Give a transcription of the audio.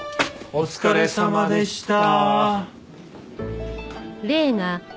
お疲れさまでした。